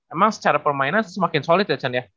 emang secara permainan semakin solid ya chand ya